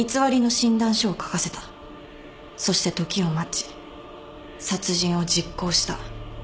そして時を待ち殺人を実行した。